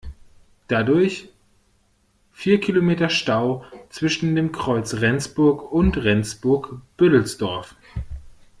Dadurch vier Kilometer Stau zwischen dem Kreuz Rendsburg und Rendsburg-Büdelsdorf.